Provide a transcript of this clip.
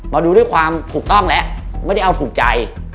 มาดูด้วยความถูกต้องแล้วไม่ได้เอาถูกใจ